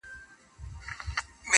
ښكل مي كړلې,